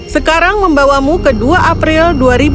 sekarang membawamu ke dua april dua ribu lima belas